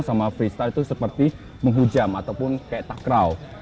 sama freestyle itu seperti menghujam ataupun kayak takraw